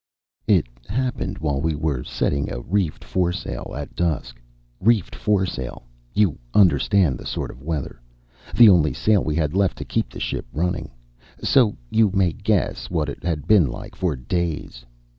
"It happened while we were setting a reefed foresail, at dusk. Reefed foresail! You understand the sort of weather. The only sail we had left to keep the ship running; so you may guess what it had been like for days.